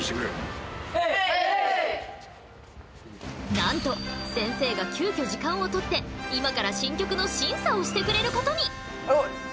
なんと先生が急遽時間をとって今から新曲の審査をしてくれることに。